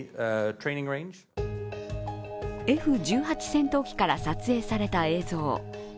戦闘機から撮影された映像。